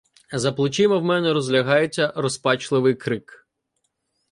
За плечима в мене розлягається розпачливий крик.